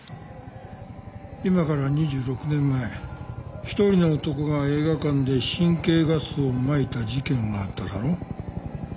今から２６年前１人の男が映画館で神経ガスをまいた事件があっただろ？